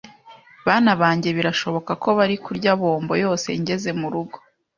Bana banjye birashoboka ko bari kurya bombo yose ngeze murugo.